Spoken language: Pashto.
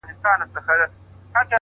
انسان د خپلو انتخابونو محصول دی